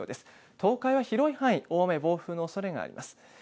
東海は広い範囲、大雨、暴風のおそれがあります。